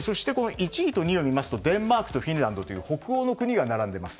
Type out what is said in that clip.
１位を見るとデンマークとフィンランドという北欧の国が並んでいます。